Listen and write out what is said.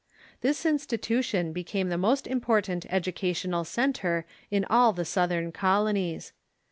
This institution be came the most important educational centre in all the Southern colonies.